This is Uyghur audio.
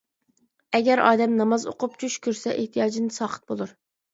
ئەگەر ئادەم ناماز ئوقۇپ چۈش كۆرسە ئېھتىياجىدىن ساقىت بولۇر.